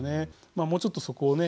まあもうちょっとそこをね